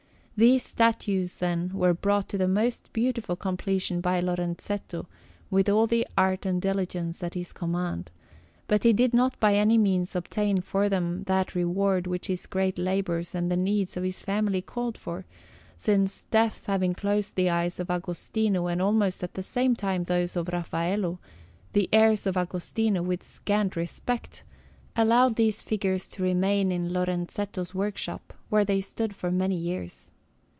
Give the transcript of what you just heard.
These statues, then, were brought to the most beautiful completion by Lorenzetto with all the art and diligence at his command, but he did not by any means obtain for them that reward which his great labours and the needs of his family called for, since, death having closed the eyes of Agostino, and almost at the same time those of Raffaello, the heirs of Agostino, with scant respect, allowed these figures to remain in Lorenzetto's workshop, where they stood for many years.